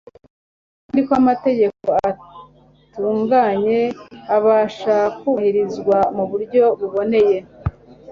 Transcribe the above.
kandi ko amategeko atunganye abasha kubahirizwa mu buryo buboneye.